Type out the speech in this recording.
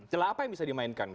celah apa yang bisa dimainkan